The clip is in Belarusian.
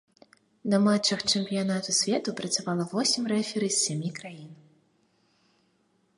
На матчах чэмпіянату свету працавала восем рэферы з сямі краін.